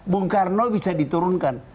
bung karno bisa diturunkan